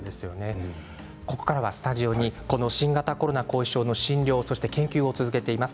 ここからはスタジオに新型コロナ後遺症の診療そして研究を続けています